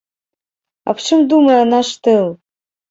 Аб чым думае наш тыл?